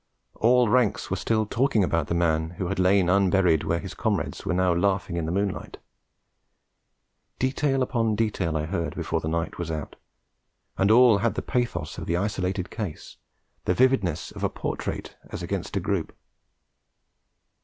All ranks were still talking about the man who had lain unburied where his comrades were now laughing in the moonlight; detail upon detail I heard before the night was out, and all had the pathos of the isolated case, the vividness of a portrait as against a group.